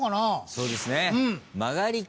そうですね。